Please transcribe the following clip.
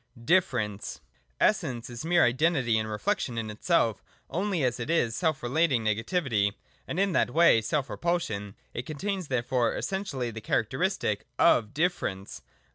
(0) Difference. 116.] Essence is mere Identity and reflection in itself only as it is self relating negativity, and in that way self repulsion. It contains therefore essentially the characteristic of Difference.